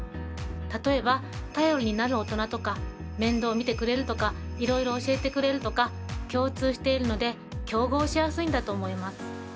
例えば「頼りになる大人」とか「面倒を見てくれる」とか「いろいろ教えてくれる」とか共通しているので競合しやすいんだと思います。